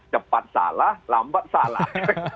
cepat salah lambat salah